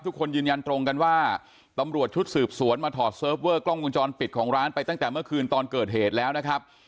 ทุกคนยืนยันตรงกันว่าตำรวจชุดสืบสวนมาถอดเซิร์ฟเวอร์กล้องวงจรปิดของร้านไปตั้งแต่เมื่อคืนตอนเกิดเหตุแล้วนะครับ